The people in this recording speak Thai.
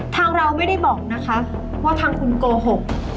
เราไม่ได้บอกนะคะว่าทางคุณโกหก